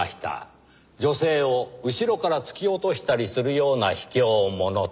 「女性を後ろから突き落としたりするような卑怯者」と。